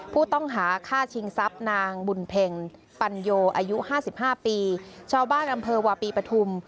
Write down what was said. ผู้ต้องหาฆ่าชิงทรัพย์นางบุญเพ็งปัญโยอายุ๕๕ปีชาวบ้านอำเภอวาปีปฐุม